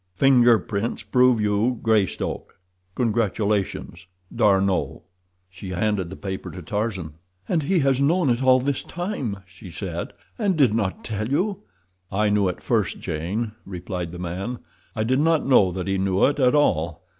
Finger prints prove you Greystoke. Congratulations. D'ARNOT. She handed the paper to Tarzan. "And he has known it all this time," she said, "and did not tell you?" "I knew it first, Jane," replied the man. "I did not know that he knew it at all.